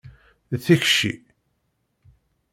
D tikci.